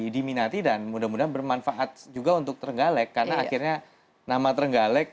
diminati dan mudah mudahan bermanfaat juga untuk terenggalek karena akhirnya nama terenggalek